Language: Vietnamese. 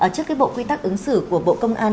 trước cái bộ quy tắc ứng xử của bộ công an